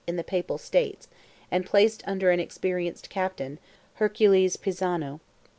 in the Papal States, and placed under an experienced captain, Hercules Pisano.